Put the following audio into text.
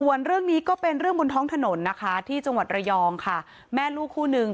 ส่วนเรื่องนี้ก็เป็นเรื่องบนท้องถนนนะคะที่จังหวัดระยองค่ะแม่ลูกคู่นึง